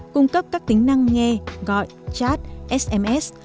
cung cấp các tính năng nghe gọi chat sms